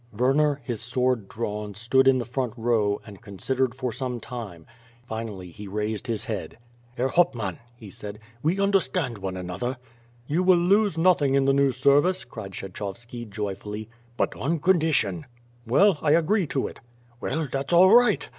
Werner, his sword drawn, stood in the front row and con sidered for some time; finally, he raised his head. "llerr ITauptman!" he said, "we understand one another!" You will lose nothing in the new service," cried Kshechov ski joyfully. "But on condition " "Well, I agree to it." "Well, that's all right.